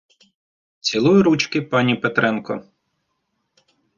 Цілую ручки, пані Петренко.